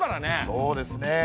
そうですね。